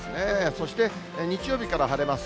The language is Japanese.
そして日曜日から晴れます。